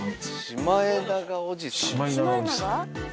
シマエナガおじさん？